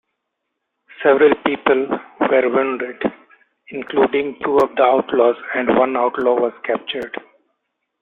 Several people were wounded, including two of the outlaws, and one outlaw was captured.